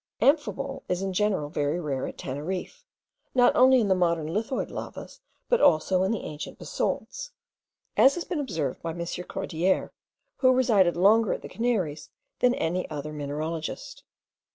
Amphibole is in general very rare at Teneriffe, not only in the modern lithoid lavas, but also in the ancient basalts, as has been observed by M. Cordier, who resided longer at the Canaries than any other mineralogist.